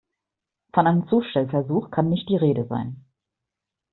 Von einem Zustellversuch kann nicht die Rede sein.